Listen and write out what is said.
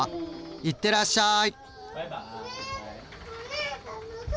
いってらっしゃい！